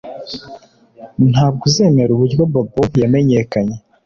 Ntabwo uzemera uburyo Bobo yamenyekanye